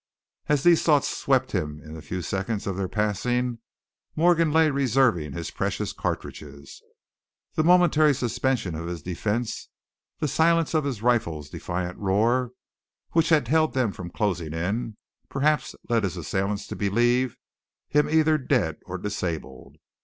As these thoughts swept him in the few seconds of their passing, Morgan lay reserving his precious cartridges. The momentary suspension of his defense, the silence of his rifle's defiant roar, which had held them from closing in, perhaps led his assailants to believe him either dead or disabled.